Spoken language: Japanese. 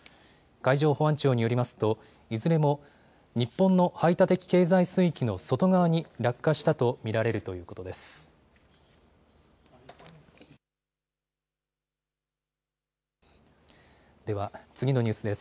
海上保安庁によりますといずれも日本の排他的経済水域の外側に落下したと見られるということです。